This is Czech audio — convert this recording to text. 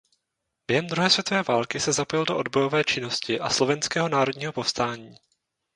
Během druhé světové války se zapojil do odbojové činnosti a Slovenského národního povstání.